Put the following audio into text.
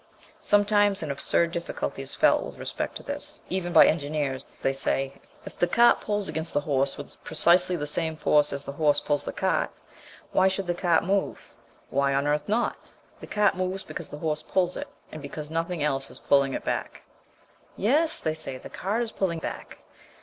Sometimes an absurd difficulty is felt with respect to this, even by engineers. They say, "If the cart pulls against the horse with precisely the same force as the horse pulls the cart, why should the cart move?" Why on earth not? The cart moves because the horse pulls it, and because nothing else is pulling it back. "Yes," they say, "the cart is pulling back."